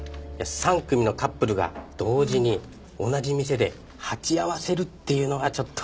３組のカップルが同時に同じ店で鉢合わせるっていうのがちょっと。